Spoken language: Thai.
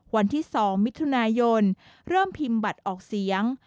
วันที่๒มิถุนายนเริ่มพิมพ์บัตรออกเสียง